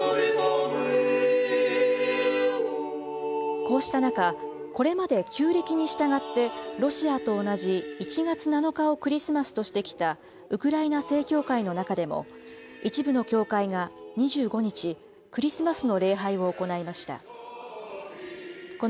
こうした中、これまで旧暦に従ってロシアと同じ１月７日をクリスマスとしてきたウクライナ正教会の中でも、一部の教会が２５日、クリスマスの